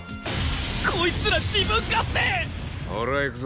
こいつら自分勝手！俺は行くぞ。